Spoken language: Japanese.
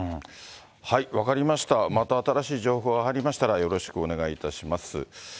分かりました、また新しい情報が入りましたら、よろしくお願いいたします。